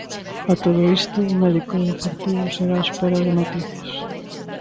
A todo isto o médico do Deportivo segue á espera de noticias.